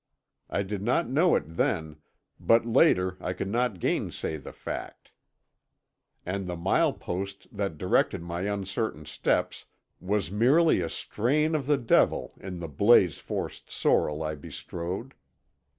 I did not know it then, but later I could not gainsay the fact. And the mile post that directed my uncertain steps was merely a strain of the devil in the blaze faced sorrel I bestrode.